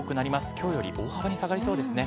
きょうより大幅に下がりそうですね。